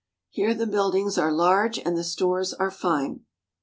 Here the buildings are large, and the stores are fine.